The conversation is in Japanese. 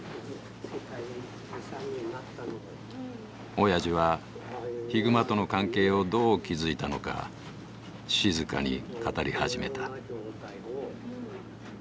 おやじはヒグマとの関係をどう築いたのか静かに語り始めた。